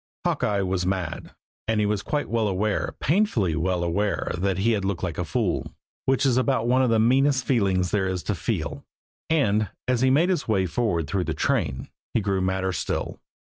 Hawkeye was mad; and he was quite well aware, painfully well aware that he had looked like a fool, which is about one of the meanest feelings there is to feel; and, as he made his way forward through the train, he grew madder still.